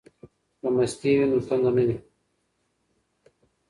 که مستې وي نو تنده نه وي.